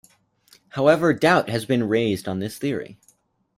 However doubt has been raised on this theory.